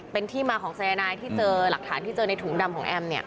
เป็นที่มาของสายนายที่เจอหลักฐานที่เจอในถุงดำของแอมเนี่ย